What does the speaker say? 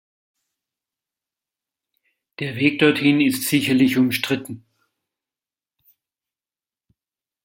Der Weg dorthin ist sicherlich umstritten.